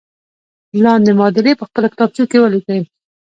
لاندې معادلې په خپلو کتابچو کې ولیکئ.